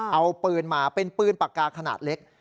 เอาปืนมาเป็นปืนปากกาขนาดเล็ก